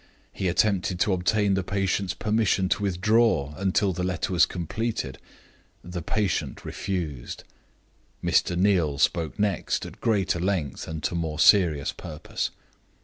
He attempted to obtain the patient's permission to withdraw until the letter was completed. The patient refused. Mr. Neal spoke next at greater length and to more serious purpose.